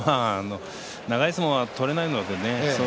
長い相撲は取れませんのでね。